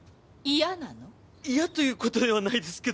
嫌ということではないですけど。